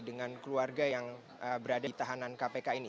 dengan keluarga yang berada di tahanan kpk ini